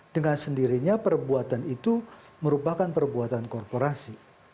dengan sendirinya perbuatan itu merupakan perbuatan korporasi